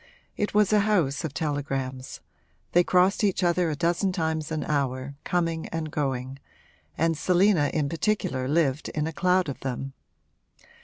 It was a house of telegrams; they crossed each other a dozen times an hour, coming and going, and Selina in particular lived in a cloud of them.